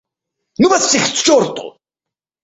— Ну вас всех к черту!